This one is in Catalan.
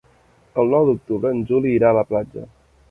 El nou d'octubre en Juli irà a la platja.